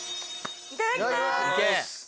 いただきます！